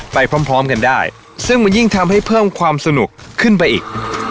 ไปพร้อมพร้อมกันได้ซึ่งมันยิ่งทำให้เพิ่มความสนุกขึ้นไปอีก